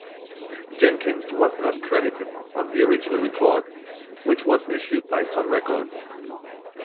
Jenkins was not credited on the original record, which was issued by Sun Records.